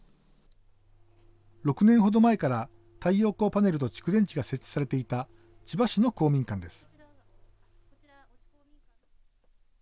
６年程前から、太陽光パネルと蓄電池が設置されていた千葉市の公民館です。